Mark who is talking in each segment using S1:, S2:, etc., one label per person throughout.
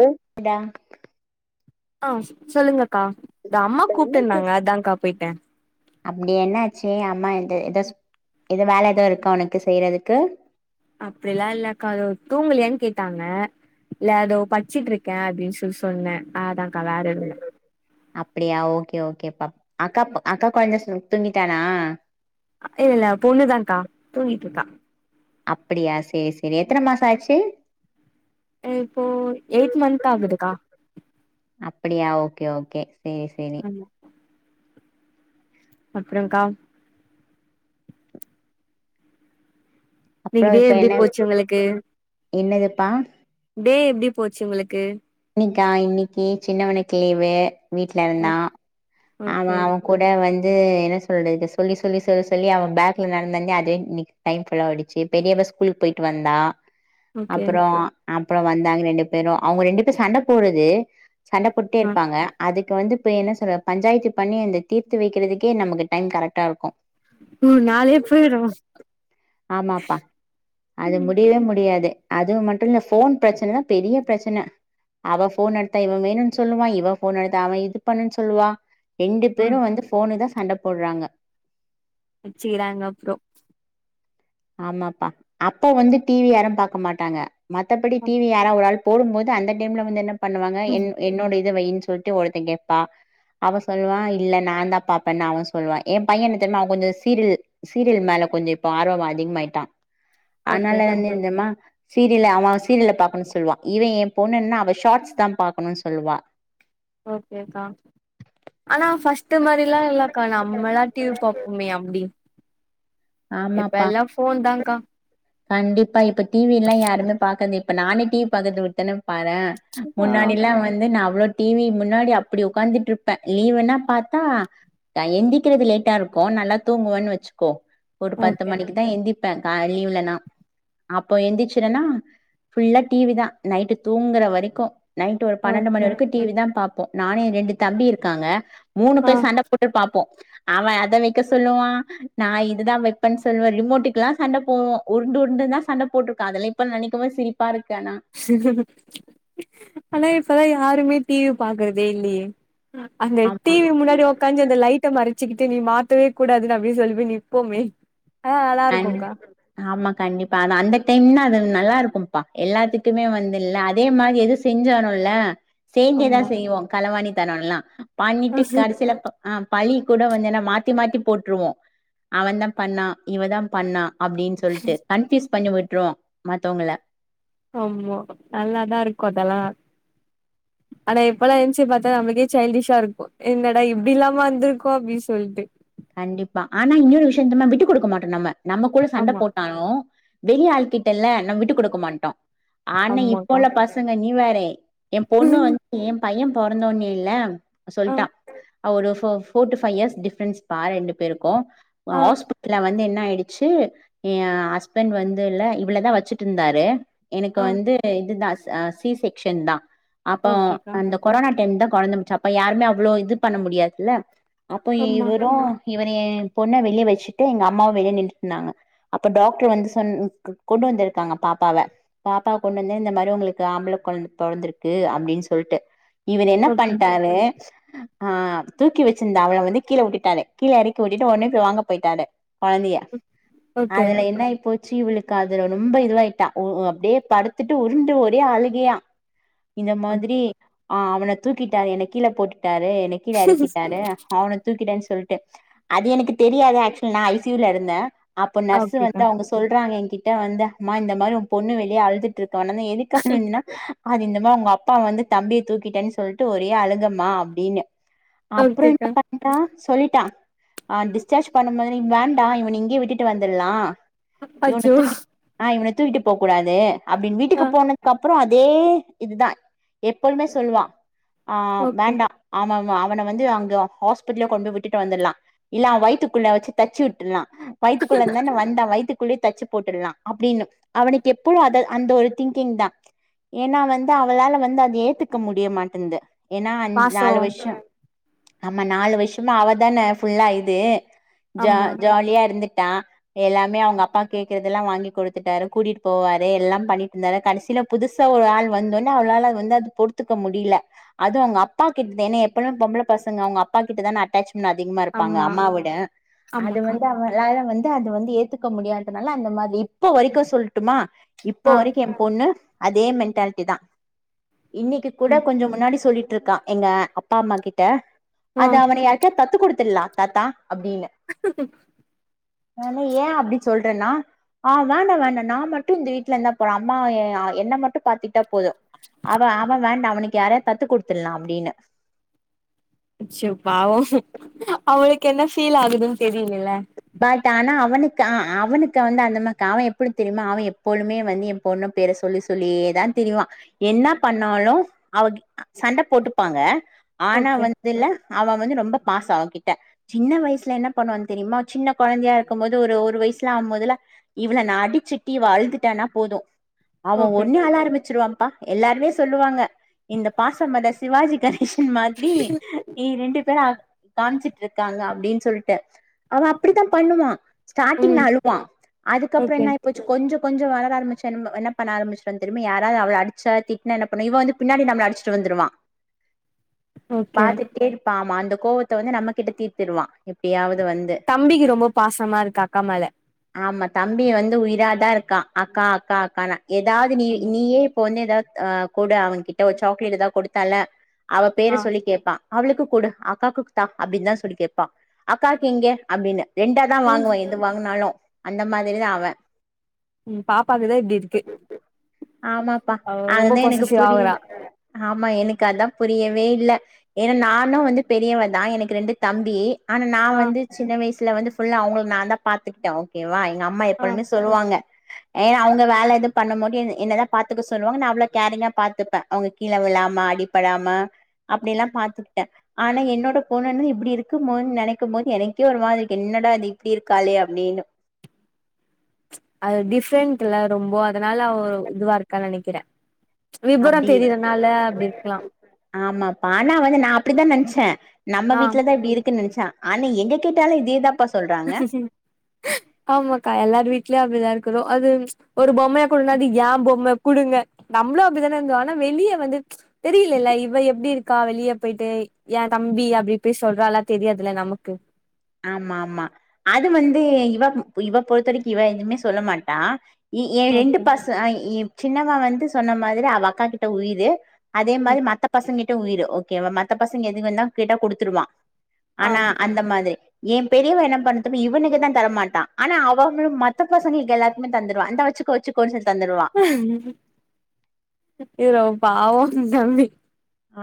S1: ஊ டா
S2: ஆஹ் ச் சொல்லுங்க கா து அம்மா கூப்பிட்ருந்தாங்க அதாங்கா போயிட்ட
S1: அப்டி என்னாச்சு அம்மா எது எதாச் எது வேல ஏதோ இருக்கா உனக்கு செய்றதுக்கு
S2: அப்டிலா இல்லக்கா அதோ தூங்கலியான்னு கேட்டாங்க இல்ல அதோ படிச்சிட்ருக்க அப்டின்னு சொல்லி சொன்ன ஆ தாக்கா வேற எதுவுல
S1: அப்டியா ஓகே ஓகேப்பா அக்கா அக்கா கொழந்த சு தூங்கிடானா
S2: இல்ல ல பொண்ணுதாக்கா தூங்கிட்ருக்கா
S1: அப்படியா சேரி சேரி எத்தன மாசொ ஆச்சு
S2: ஆ இப்போ எய்ட் மந்த் ஆகுதுக்கா
S1: அப்டியா ஓகே ஓகே சேர் செரி
S2: அப்புறோகா
S1: அப்றோ
S2: இன்னிக்கி டே
S1: இப்ப
S2: எப்டி
S1: என்ன
S2: போச்சு உங்களுக்கு
S1: என்னதுப்பா
S2: டே எப்டி போச்சு உங்களுக்கு
S1: என்னக்கா இன்னைக்கு சின்னவனுக் லீவு வீட்ல
S2: ஓ
S1: இருந்தா அவ
S2: ஓகே
S1: அவ கூட வந் அது என்ன சொல்றது சொல்லி சொல்லி சொல்லி சொல்லி அவ பேக்ல நடந்து நடந்து அதே இன்னைக்கு டைம் ஃபுல்லா ஓடுச்சு பெரியவ ஸ்கூலுக்கு போயிட்டு வந்தா
S2: ஓகே
S1: அப்புறோ அப்புறோ வந்தாங்க ரெண்டு பேரு அவங்க ரெண்டுப் ப சண்ட போடுது சண்ட போட்டே
S2: ஆ
S1: இருப்பாங்க அதுக் இப்ப வந்து பே என்ன சொல்ற பஞ்சாயத்து பண்ணி அந்த தீத்து வைக்குறதுக்கே நமக்கு டைம் கரெக்டா இருக்கோ
S2: ம் நாளே போயிரு
S1: ஆமாப்பா அது முடிவே முடியாது அது மட்டோ இல்ல ஃபோன் பிரச்சனத பெரிய பிரச்சன அவ ஃபோன் எடுத்தா இவ வேணுன் சொல்லுவா இவ ஃபோன் எடுத்தா அவ இது பண்ணு சொல்லுவா ரெண்டு
S2: ம்
S1: பேரோ வந்து ஃபோனு தா சண்ட போட்றாங்க
S2: அச்சிகிறாங்க அப்றோ
S1: ஆமாப்பா அப்போ வந்து டிவி யாரு பாக்க மாட்டாங்க மத்தபடி டீவி யாரா ஒராள் போடும்போது அந்த டைம்ல வந்து என்னப் பண்ணுவாங்க என் என்னோட வெய்ன் சொல்ட்டு ஒருத்த கேப்பா அவ சொல்லுவா இல்ல நா தா பாப்பனு அவ சொல்லுவா எ பைய என்ன தெர்மா அவ கொஞ்சோ சீரில் சீரியல் மேல கொஞ்சோ இப்ப ஆர்வமா அதிகம் ஆய்ட்டா
S2: ஓகே
S1: அன்னால வந்து என்னமா சீரியல்ல அவ சீரில்ல பாக்கணு சொல்வா இவ ஏ பொண்ணுன்னா அவ ஷார்ட்ஸ் தா பாக்கணு சொல்வா
S2: ஓகேக்கா ஆனா ஃபஸ்ட்டு மாரில்லா இல்லக்கா நம்மல்லா டீவி பாப்போமே அப்டி
S1: ஆமாப்பா
S2: இபெல்லா ஃபோன் தாக்கா
S1: ப்ப நானே டீ வி பாக்கறாத விட்டனா பாறே
S2: ஆ
S1: முன்னாடிலா வந்து நா அவ்ளோ டீ வி முன்னாடி அப்டி உக்காந்துட்ருப்ப லீவுன்னா பாத்தா எந்திக்கிறது லேட்டா இருக்கோ நல்லா தூங்குவன் வச்சுக்கோ ஒரு பத்து
S2: ஓகே
S1: மணிக்கு தா எந்தி ப்ப கால லீவுல நா அப்போ எந்திச்சிருன்னா ஃபுல்லா டீ வி தா நைட்டு தூங்கற வரைக்கோ நைட்டு ஒரு பன்னண்டு
S2: ஓகே
S1: மணிவரைக்கோ டீ வி தா பா ப்போ நானு எ ரெண்டு தம்பி இருக்காங்க மூணு
S2: ஆ
S1: பேர் சண்ட போட்டு பாப்போ அவ அத வெக்க சொல்லுவா நா இதுதா வெப்பன் சொல்வ ரிமோட்டுக்ல்லா சண்ட போடுவோ உருண்டு உருண்டு தா சண்ட போட்ருக்க அதல்லா இப்ப நனைக்கு போது சிரிப்பா இருக்
S2: ஆன இப்ப தா யாருமே டி வி பாக்குறதே இல்லியே அந்த
S1: ஆமா
S2: டீ வி முன்னாடி ஒக்காஞ்ஞி அந்த லைட்ட மர ச்சிக்கிட்டு நீ மாத்தவே கூடாதுன்ன அப்டி சொல்லி போய் நீப்போமே
S1: ஆமா கண்டிப்பா ஆன அந்த டைம்னா அது நல்லாருக்கோம்பா எல்லாத்துக்குமே வந்து இல்ல அதே மாரி எது செஞ்சாலுல்ல சேந்தே
S2: ஆமா
S1: செய்வோ களவாணி தான எல்லா பண்ணிட்டு கடசில ப ஆஹ் பழி கூட வந்துனா மாத்தி மாத்தி போட்டுருவோ அவன் தா பண்ணா இவ தா பண்ணா அப்டின்னு சொல்ட் கன்ஃபூஸ் பண்ணி விட் விட்டுருவோ மத்தவங்கள
S2: ஆமா நல்லாதா இருக்கு அதெல்லா ஆனா இப்பெல்லா நென்ச்சு பாத்தா நம்மளுக்கே சைல்டிஷா இருக்கு என்னடா இப்டில்லாம இருந்திருக்கோ அப்டின் சொல்ட்டு
S1: கண்டிப்பா ஆனா இன்னொரு விஷ்ய என்னுதும்மா விட்டு குடுக்க மாட்டோ நம்ம நம்ம கூட சண்ட
S2: ஆமா
S1: போட்டாலு வெளி ஆள்கிட்டல்ல நம் விட்டு குடுக்க மாட்டோ ஆனா இப்போ
S2: ஆமாக்கா
S1: உள்ள பசங்க நீ வே றே எ பொண்ணு வந்து எ பையன் பொறந்தோன்னல்ல
S2: ஆ
S1: சொல்ட்டா அவ ஒரு ஃபோ four two five years difference பா ரெண்டு பேருக்கு நா
S2: ஆ
S1: ஹாஸ்பிட்டல வந்தேன் ஆயிடுச்சு என் ஹஸ்பண்ட் வந்து இல்லே இவ்ளத வச்சிட்டு இருந்தாரு எனக்கு
S2: ஆ
S1: வந்து இதுதா சி செக்சன் தா அப்போ
S2: ஓகேக்கா
S1: அந்த கொரோனா டைம் தா குழந்த முடிச்ச அப்ப யாருமே அவ்ளோ இது பண்ண முடியாதுல்ல அப்ப ஈ
S2: ஆமா
S1: வ் இவரு ஏ பொண்ணே வெளியே வச்சுட்டு எங்க அம்மாவும் வெளியே நின்னுட்டு இருந்தாங்க அப்ப டாக்டர் வந்து சொன் கொண்டு வந்திருக்காங்க பாப்பாவ பாப்பாவ கொண்டு வந்து இந்த மாரி உங்களுக்கு ஆம்பள குழந்த பொறந்திருக்கு அப்டின்னு சொல்ட்டு இவர் என்ன
S2: ஓகே
S1: பண்ட்டாரு ஆஹ் தூக்கி வச்சிருந்த அவள வந்து கீழே உட்டுட் விட்டாரு கீழே இறக்கி உட்டுட்டு உடனே போய் வாங்க போயிட்டாரு குழந்தய
S2: ஓகே
S1: அதுல என்ன இப்போ சீ இவளுக்கு அதுல ரொம்ப இதுவாயிட்டா ஒஹ் அப்டியே படுத்துட்டு உருண்டு ஒரே அழுகையா இந்த
S2: அம்.
S1: மாதிரி ஆஹ் அவன தூக்கிட்டாரு என்னே கீழே போட்டுட்டாரு என்னய கீழே இறக்கிட்டாரு அவன தூக்கிட் டான்ஸ் சொல் ட்டு அது எனக்கு தெரியாது ஆக்சுவ நா ஐ சி யு ல இருந்தே அப்போ நர்ஸ்
S2: ஓகேக்கா
S1: வந்து அவங்க சொல்றாங்க கிட்ட வந்து அம்மா இந்த மாரி உ பொண்ணு வெளியே அழுதுட்டு இருக்கு அவன் அண்ணன எதுக்காக வேண்டினா அது இந்த மாதிரி உங்க அப்பா வந்து தம்பியை தூக்கிட்டேன் சொல்லிட்டு ஒரே அழுகமா அப்படின்னு அப்புறம்
S2: ஓகேக்கா
S1: என்ன பண்றா சொல்லிட்டான் ஆஹ் டிஸார்ஜ் பண்ணும்போது நீ வேண்டாம் இவன இங்கேயே விட்டுட்டு வந்துர்லாம் இவன
S2: அச்சோ
S1: தூக் இவன தூக்கிட்டு போக கூடாது அப்படின்னு
S2: ஆ
S1: வீட்டுக்கு போனதுக்கு அப் அப்புறம் அதே இதுதான் எப்பொழுமே சொல்லுவான் ஆஹ்
S2: ஓகே
S1: வேண்டாம் ஆமாமா இவன வந்து அங்க ஹாஸ் கொண்டு போய் விட்டு வந்துலாம் இல்ல வயித்துக்குள்ள வச்சு தச்சி விட்டுலாம் வய்த்து குல்லருந்தானே வந்தான் வயத்து ள்ள தச்சு போட்டுடலாம் அப்படின்னு அவனுக்கு எப்பழும் அத அந்த ஒரு திங்கிங் தான் ஏன்னா வந்து அவளால வந்து அதை ஏத்துக்க முடியமாட்டேன்து ஏன்னா அஞ்
S2: பாசோ
S1: நாலு வருஷம் ஆமா நாலு வருஷமா அவதானே ஃபுல்லா இது ஜா
S2: ஆமா
S1: ஜாலியா இருந்து எல்லாமே அவுங்க அப்பா கேக்குறதுலா வாங்கி குடுத்துட்டாரு கூட்டிட்டு போவாரு எல்லா பண்ணிட்டு இருந்தாரு கடைசில புதுசா ஒரு ஆள் வந்தோடே அவளால வந்து அது பொறுத்துக்க முடியுல அதுவு அவுங்க அப்பா கிட்ட என்னய எப்பமே பொம்பள பசங்க அவுங்க அப் அப்பா கிட்ட தான அட்டாச் இன்னோ அதிகமா இருப்பாங்க
S2: ஆமா
S1: அம்மாவவிட அது
S2: ஆமாக்கா
S1: வந்து அவளால வந் இது அது வந்து ஏத்துக்க முடியாததுனால அந்த மாதி இப்ப வரைக்கோ சொல்ட்டுமா இப்போ
S2: ஆ
S1: வரைக்கோ என் பொண்ணு அதே மென்டாலிட்டி தா இன்னிக்கு கூட
S2: ம்
S1: கொஞ்சோ முன்னாடி சொல்லி வுட்டு இருக்கா எங்க அப்பா அம்மா கிட்ட
S2: ஆ
S1: அது அவன யாருக்கா தத்துக் குடுத் துலா தாத்தா அப்டீனு நானு ஏன் அப்டி சொல் வேணுனா வேணா வேணா நான் மட்டும் இந்த வீட்ல இந்தா போறோ அம்மா என்ன மட்டு பாத்து விட்டா போதோ அவ அவ வேண்டா அவனுக் யாரையா தத்து குடுத்துடலா அப்டீன்னு
S2: அச்சோ பாவோ அவுளுக்கு என்ன ஃபீல் ஆகுது தெரி
S1: பட் ஆனா அவனுக் த அவனுக்கு வந்து அந்தமாக்கு அவ எப்புடி தெரியுமா அவ எப்போழுமே வந்து ஏ பொண்ணு பேர சொல்லி சொல்லியேதா திரிவா என்ன பண்ணாலோ அவ சண்டை போட்டுப்பாங்க ஆனா
S2: ஓகே
S1: வந்து இல்ல அவன் வந்து ரொம்ப பாஸோ அவகிட்ட சின்ன வயசுல என்ன பண்ணுவான்னு தெரியுமா சின்ன கொழந்தையா இருக்கும் போது ஒரு வயசுல ஆகும்போதுல இவள நான் அடிச்சட்டி இவ அழுந்துட்டானா போதோ அவ
S2: ஓகே
S1: ஒண்ணு அழ ஆரம்பிச்சிருவான்ப்பா எல்லாருமே சொல்லுவாங்க இந்த பாசமலர் சிவாஜி கணே ஷன் மாதிரி நீ ரெண்டு [unintelligible] காம்ச்சுட்டு இருக்காங்க அப்டினு சொல்ட்டு அவ அப்படித்தா பண்ணுவா ஸ்டார்டிங்ல
S2: ம்
S1: அழுவா அதுக்கப்புறோ
S2: ஓகே
S1: என்ன இப்போ கொஞ்சோ கொஞ்சோ வளர ஆரம்பிச்ச என்ன பண்ண ஆம்பிச்சுருவா தெரிமா யாராவது அவள அடிச்சா திட்னா என்ன பண்ணுவா இவ வந்து பின்னாடி நம்மள அடிச்சிட்டு வந்துருவா
S2: ஓகே
S1: பாத்துட்டே இருப்பாமா அந்த கோவத்த வந்து நம்ம கிட்ட தீத்திடுவா எப்படியாவது வந்து
S2: தம்பிக்கு ரொம்ப பாசமா இருக்கா அக்கா மேல
S1: ஆமா தம்பி வந்து உயிராதா இருக்கா அக்கா அக்கா அக்கானு ஏதாவது நீ
S2: ஆமா
S1: நீயே இப்ப வந்து கக் ஆஹ் கூட அவங்கிட்ட ஒரு சாக்லேட் ஏதா கொடுத்தால அவ பேர
S2: ஆ
S1: சொல்லி கேப்பா அவளுக்கு கூடு அக்காக்கு தா அப்டின்னு தா சொல்லி கேப்பா அக்காக்கு இங்க அப்டின்னு ரெண்டா தா வாங்குவா எது வாங்குனாலு அந்த மாதிரிதா அவ
S2: ம் பாப்பாக்குதா இப்டி இருக்கு
S1: ஆமாப்பா
S2: அவ ரொம்ப
S1: அதுதா எனக்கு
S2: பொசசிவ் ஆவுறா
S1: புரியல ஆமா எனக்கு அதா புரியவே இல்ல ஏன்னா நானு வந்து பெரியவ தா எனக்கு ரெண்டு தம்பி ஆனா நா
S2: ஆ
S1: வந்து சின்ன வயசுல வந்து ஃபுல்லா அவங்கள நா தா பாத்துக்கிட்டே ஓகேவா எங் க அம்மா
S2: ஆ
S1: எப்பழுமே சொல்லுவாங்க ஏன்னா அவங்க வேல எதுவு பண்ணும் போது என்னதா பாத்துக்க சொல்லுவாங்க நா அவ்வளவு கேரிங்கா பாத்துப்பே அவங்க கீழே விழாமா அடிப்படாம அப்டி எல்லா பாத்துக்கிட்டே ஆனா என்னோட பொண்ணுன்னு இப்டி இருக்கும் போது நெனைக்கும் போது எனக் கே ஒரு மாரி இருக்கு என்னடா அது இப்டி இருக்காலே அப்டின்னு
S2: அது டிஃப்ரெண்ட்ல ரொம்போ அதனால அவ இதுவா இருக்கான்னு நெனைக்கிறே விபரொ
S1: அப்டி
S2: தெரியறனால அப்டி இருக்கலா
S1: ஆமாப்பா ஆனா வந்து நா அப்டிதா நென்ச்சே நம்ம
S2: ஆ
S1: வீட்டுல தா இப்டி இருக் கு நினச்சா ஆனா எங்க கேட்டாலு இதேதா
S2: ஆமாக்கா எல்லாரு வீட்லேயு அப்டிதா இருக் குறோ அது ஒரு பொம்மையா குடுனா அது யா பொம்ம குடுங்க நம்மளு அப்டிதானே இருந்தோ ஆனா வெளிய வந்து தெரியலல்ல இவ எப்டி இருக்கா வெளிய போயிட்டு எ தம்பி அப்டி போய் சொல்றால்லா தெரியாதுல்ல நமக்கு
S1: ஆமா ஆமா அது வந்து இவ இவ பொறுத்த வரைக்கு இவ எதுவுமே சொல்ல மாட்டா இ ஏ ரெண்டு
S2: ஓகே
S1: பச ஆ இ சின்னப் வ வன்ட்டு சொன்ன மாதிரிதா அவ அக்கா கிட்ட உயிரு அதே மாரி மத்த பசங்கி ட உயிரு ஓகேவா மத்த பசங்க எதுங்கனா கேட்டா கொடுத்துருவா
S2: ஆ
S1: ஆனா அந்த மாதிரி. ஏ பெரியவ என்ன பண்ணதர்ம இவனுக்கு தா தரமாட்டா ஆனா அவங்களு மத்த பசங்களுக்கு எல்லாருக்குமே தந்துடுவா இந்த வச்சுகோ வச்சுகோன்னு சொல்லி தந்துருவா
S2: ஏரோ பாவோ தம்பி.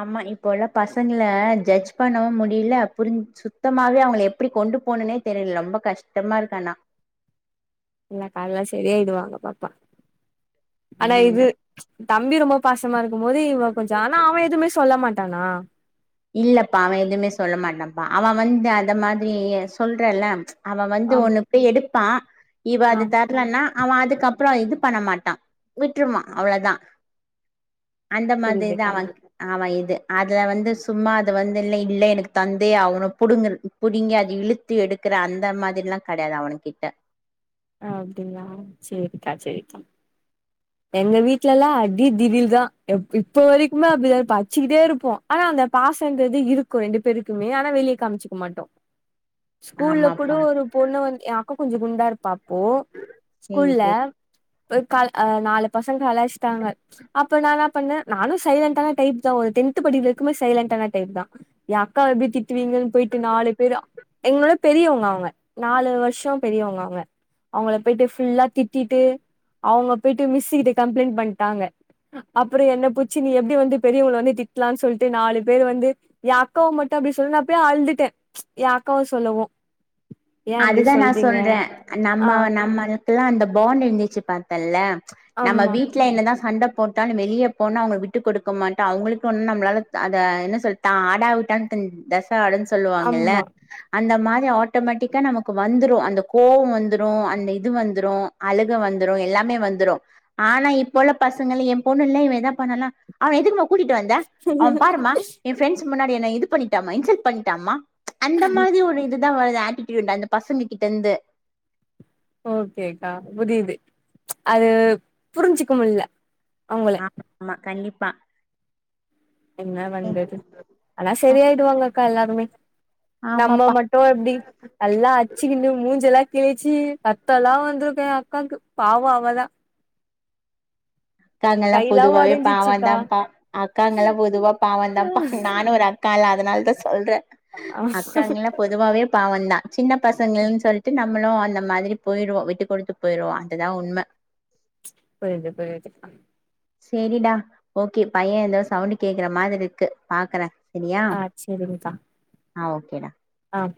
S1: ஆமா இப்போ உள்ள பசங்கள ஜட்ஜ் பண்ணவு முடியில புரிஞ்ச் சுத்தமாவே அவங்கள எப்டி கொண்டு போணுனே தெரியில ரொம்ப கஷ்டமா இருக்கு ஆனா
S2: இல்ல கால்லா சரியாயிடுவாங்க பாப்பா. ஆனா
S1: நம்ம என்ன
S2: இது தம்பி ரொம்பப் பாசமா இருக் கும்போது இவ கொஞ்சொ ஆனா அவ எதுவுமே சொல்ல மாட் டானா
S1: இல்லப்பா அவ எதுவுமே சொல்ல மாட்டான்ப்பா அவன் வந்து அத மாதிரி சொல்றல்ல ம்ச். அவ வந்து
S2: ஆம்
S1: உனக்கு எடு. பா. இவ
S2: ஆ
S1: அது தர்லன்னா. அவ அதுக்கப்புறோ இது பண்ண மாட்டா விட்டுருவா அவ்வளவுதா அந்த மாதிரி தா
S2: புரியுதுக்கா
S1: அவன் அவன் இது. து அதுல வந்து சு. சும்மா அத வந்துல்லா இல்லை எனக்கு தந்தே அவனு புடுங்குறது புடுங்கி அது இழுத்து எடுக்கற அந்த மாதிரில்லா கெடையாது அவனு கிட்ட.
S2: அப்படிங்களா சரிக்கா சரிக்கா. எங்க வீட்ல எல்லா அடி திடில் தா அப் இப்ப வரைக்குமே அப்படிதா இருப்போ அடிச்சுக்கிட்டே இருப்போ ஆனா அந்த பாசன்றது இருக்கு ரெண்டு பேருக்குமே ஆனா வெளியே காமிச்சுக்க மாட்டோ ஸ்கூல்ல கூட
S1: ஆமாப்பா
S2: ஒரு பொண்ணு வந்து யாக்கோ. கொஞ்சு குண்டா இருப்பா. அப்போ
S1: சேரி
S2: ஸ்கூல்ல.
S1: சேரி
S2: க் நாலு பசங்க கலாச்சிட்டாங்க அப்ப நா என்ன பண்ணே நானு சைலண்டான டைப் தா ஒரு டென்த் படிக்கிறதுக்குமே சைலண்ட்டான டைப் தா எ அக்கா எப்படி திட்டுவீங்கன்னு போயிட்டு நாலு பேர் எங்களோட பெரியவங்க அவங்க நாலு வருஷம் பெரியவங்க அவங்க. அவங்கள போயிட்டு ஃபுல்லா திட்டிட்டு அவங்க போயிட்டு மிஸ்ஸிக்கிட்ட கம்ப்ளைண்ட்டு பண்ணிட்டாங்க அப்புறோ என்ன பூடுச்சி நீ எப்படி வந்து பெரியவங்கள வந்து திட்டலானு சொல்லிட்டு நாலு பேர் வந்து என் அக்காவ மட்டும் அப்படி சொல்ல நான் போய் அழுந்துட்டே ம்ச் எ அக்காவ சொல்லவு. ஏ அப்டி
S1: அதுதா நா
S2: சொல்றீங்க
S1: சொல்றே நா. நம்ம
S2: ஆ
S1: நம்மல்க்கெல்லா அந்த பாண்ட் இருந்துச்சுப்பா. பாத்தில்ல. ம்ச் நம்ம
S2: ஆமா
S1: வீட்ல என்னதா சண்ட போட்டாலு வெளியே போன அவங்கள விட்டு கொடுக்க மாட்டோ அவங்களுக்கு நம்மளாள அத என்ன சொல்ல ஆடா விட்டான் தன் தச. ஆடுன்னு சொல்லுவாங்கள
S2: ஆமா
S1: அந்த மாரி. ஆட்டோமேட்டிக். க நமக்கு வந்துரூ அந்த கோவோ வந்துரூ அந்த இது வந்துரூ அழுக வந்துரூ எல்லாமே வந்துரூ ஆனா இப்பொல்ல பசங்கள் ஏ பொண்ணுல்ல இவ எதா பண்ணணா அவ எதுக்குமா கூட்டிட்டு வந்த அவ பாருமா ஏ ஃப்ரெண்ட்ஸ் முன்னாடி என்ன இது பண்ணிட்டாமா இன்சல்ட் பண்ணிட்டாம்மா அந்த மாரி ஒரு இது த வரு ஆட்டி இதுண்டா இந்த பசங்க கிட்டந்து
S2: ஓக்கேக்கா புரியிது ம்ச் அது புருஞ்சுக்கமுடில்ல
S1: ஆமா ஆமா கண்டிப் பா
S2: என்ன பண்றது ஆனா செரியாய்டுவாங்க கா எல்லாருமே நம்ம
S1: ஆமாப்பா
S2: மட்டு எப்டி நல்லா அச்சிக்கினு மூஞ்செல்லா கிழிச்சு ரத்தொல்லா வந்துருக்கு எ அக்காக்கு பாவொ அவதா
S1: காங்கல்லா
S2: கைலா
S1: பொதுவாவே
S2: ஒடஞ்சிச்சுக்கா
S1: பாவந்தாம்பா அக்காங்கல்லா பொதுவா பாவந்தாம்பா நானு ஒரு அக் கால அதனால தா சொல்றே அக்காங்கல்லா பொதுவாவே பாவொந்தா சின்ன பசங்ளன் சொல்ட்டு நம்மளு அந்த மாத்ரி போயிடுவோ விட்டு குடுத்து போயிருவோ அதுதா உண்ம
S2: புரிது புரியிது
S1: சேரிடா ஓக்கே பைய எந்தோ சவுண்டு கேக்குற மாதிர்ருக்கு பாக்குறே சரியா
S2: அ செரிங்க்கா
S1: ஆ ஓக்கேடா
S2: ஆஹ்